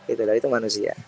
itulah itu manusia